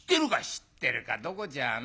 「知ってるかどこじゃないよ。